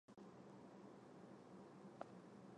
斯沙尔拉克贝尔甘伊尔姆斯泰。